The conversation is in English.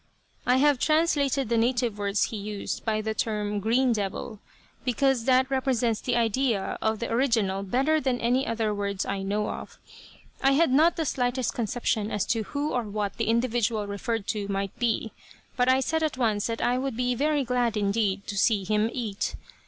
I have translated the native words he used by the term "green devil," because that represents the idea of the original better than any other words I know of, I had not the slightest conception as to who or what the individual referred to might be; but I said at once that I would be very glad indeed to see him eat.